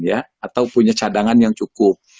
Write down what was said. atau punya cadangan yang cukup